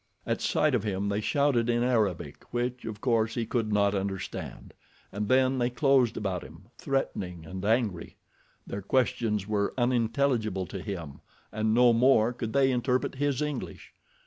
At sight of him they shouted in Arabic, which, of course, he could not understand, and then they closed about him, threatening and angry. Their questions were unintelligible to him, and no more could they interpret his English.